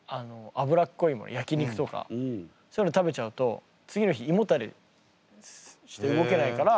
焼き肉とかそういうの食べちゃうと次の日胃もたれして動けないから。